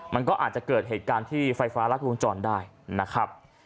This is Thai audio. มันก็อาจจะเกิดเหตุการณ์ที่ไฟฟ้ารัดวงจรได้นะครับ